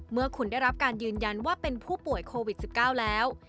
เมื่อคุณได้รับการยืนยันว่าเป็นผู้ป่วยโควิด๑๙แล้ว